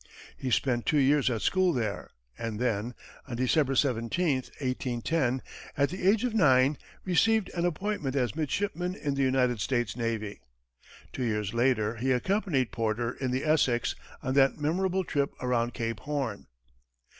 He spent two years at school there, and then, on December 17, 1810, at the age of nine, received an appointment as midshipman in the United States navy. Two years later, he accompanied Porter in the Essex on that memorable trip around Cape Horn.